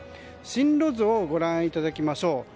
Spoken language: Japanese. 進路図をご覧いただきましょう。